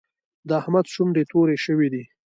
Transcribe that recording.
د احمد شونډې تورې شوې دي.